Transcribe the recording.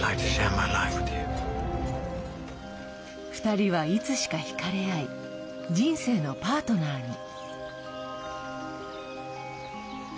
２人は、いつしかひかれあい人生のパートナーに。